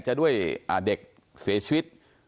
จะด้วยเด็กเสียชีวิต